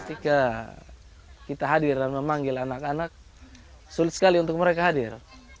ketika kita hadir dan memanggil anak anak sulit sekali untuk mereka hadir